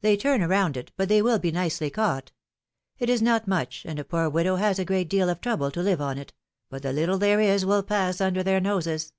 They turn around it, but they will be nicely caught ! It is not much, and a poor widow has a great deal of trouble to live on it, but the little there is will pass under their noses